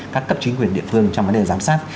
các cấp chính quyền địa phương trong vấn đề giám sát